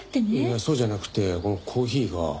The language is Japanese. いやそうじゃなくてこのコーヒーが。